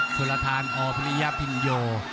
โชลทานอ่อพินียาพินโย